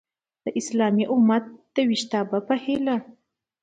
د اسلامي امت د ویښتابه په هیله!